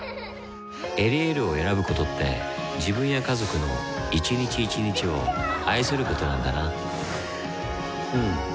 「エリエール」を選ぶことって自分や家族の一日一日を愛することなんだなうん。